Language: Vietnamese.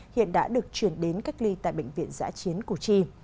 hiện đã được chuyển đến cách ly tại bệnh viện giã chiến củ chi